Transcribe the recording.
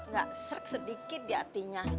gak serk sedikit di hatinya